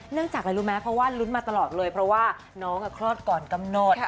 จากอะไรรู้ไหมเพราะว่าลุ้นมาตลอดเลยเพราะว่าน้องคลอดก่อนกำหนด